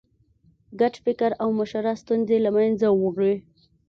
ګډ فکر او مشوره ستونزې له منځه وړي.